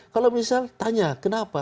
kalau misalnya tanya kenapa